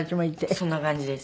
そんな感じです。